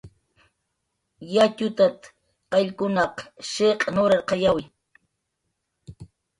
"Yatxutat"" qayllkunaq shiq' nurarqayki"